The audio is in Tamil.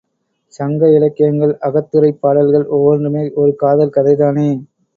சங்க இலக்கியங்கள், அகத்துறைப் பாடல்கள் ஒவ்வொன்றுமே ஒரு காதல் கதைதானே.